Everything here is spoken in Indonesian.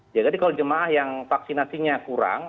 jadi kalau jemaah yang vaksinasi nya kurang